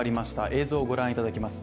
映像をご覧いただきます。